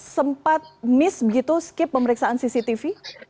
sempat miss begitu skip pemeriksaan cctv